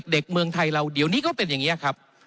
เมืองไทยเราเดี๋ยวนี้ก็เป็นอย่างนี้ครับ